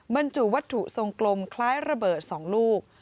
บรรจุวัตถุทรงกลมคล้ายระเบิด๒ลูก